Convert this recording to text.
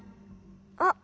あっ。